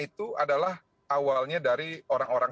itu adalah awalnya dari orang orang